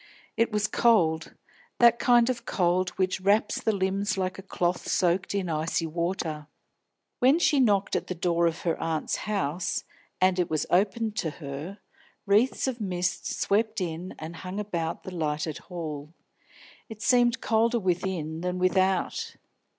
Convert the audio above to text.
It was cold, that kind of cold which wraps the limbs like a cloth soaked in icy water. When she knocked at the door of her aunt's house, and it was opened to her, wreaths of mist swept in and hung about the lighted hall. It seemed colder within than without.